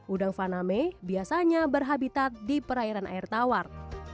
udang faname biasanya berhabitat di perairan air tawar